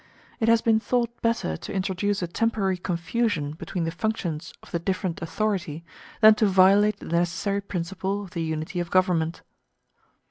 It has been thought better to introduce a temporary confusion between the functions of the different authorities than to violate the necessary principle of the unity of government.